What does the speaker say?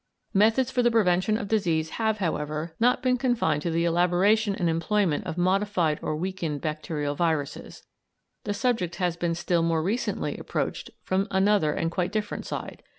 Methods for the prevention of disease have, however, not been confined to the elaboration and employment of modified or weakened bacterial viruses; the subject has been still more recently approached from another and quite different side.